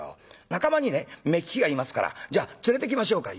仲間にね目利きがいますからじゃあ連れてきましょうか？」。